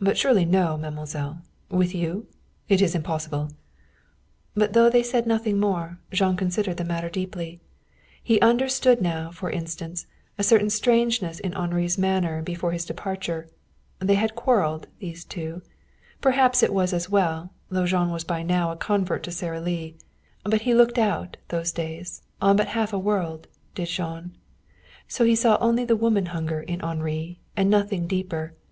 "But surely no, mademoiselle. With you? It is impossible." But though they said nothing more, Jean considered the matter deeply. He understood now, for instance, a certain strangeness in Henri's manner before his departure. They had quarreled, these two. Perhaps it was as well, though Jean was by now a convert to Sara Lee. But he looked out, those days, on but half a world, did Jean. So he saw only the woman hunger in Henri, and nothing deeper.